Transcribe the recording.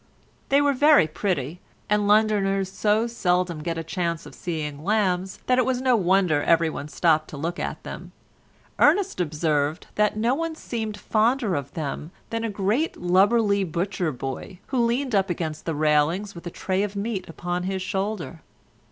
They were very pretty, and Londoners so seldom get a chance of seeing lambs that it was no wonder every one stopped to look at them. Ernest observed that no one seemed fonder of them than a great lubberly butcher boy, who leaned up against the railings with a tray of meat upon his shoulder.